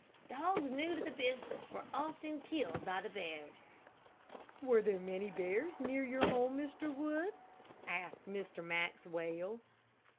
Dogs new to the business were often killed by the bears." "Were there many bears near your home, Mr. Wood?" asked Mr. Maxwell.